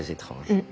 うん。